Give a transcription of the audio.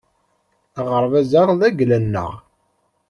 Aɣerbaz-a d agla-nneɣ